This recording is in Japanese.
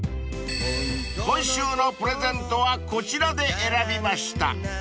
［今週のプレゼントはこちらで選びました］